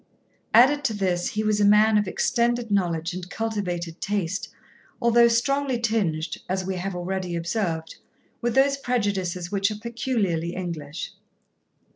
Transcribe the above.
Added to this, he was a man of extended knowledge and cultivated taste, although strongly tinged, as we have already observed, with those prejudices which are peculiarly English.